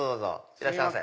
いらっしゃいませ。